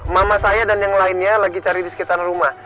mama saya dan yang lainnya lagi cari di sekitar rumah